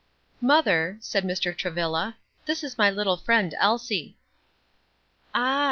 "Mother," said Mr. Travilla, "This is my little friend Elsie." "Ah!"